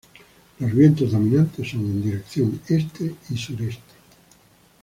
Los vientos dominantes son en dirección este y sureste.